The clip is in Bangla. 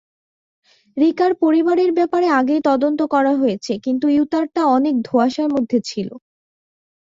রিকার পরিবারের ব্যাপারে আগেই তদন্ত করা হয়েছে, কিন্তু ইউতারটা অনেক ধোঁয়াশার মধ্য ছিলো।